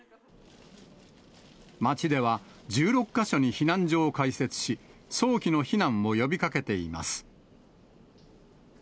町では１６か所に避難所を開設し、早期の避難を呼びかけています。